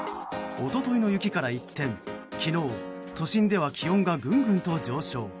一昨日の雪から一転昨日、都心では気温がぐんぐんと上昇。